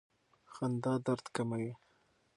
خندا درد کموي.